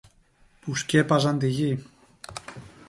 που σκέπαζαν τη γη.